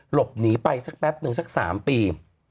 หลบหนีไปสักแป๊บหนึ่งสัก๓ปี